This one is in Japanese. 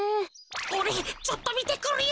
おれちょっとみてくるよ。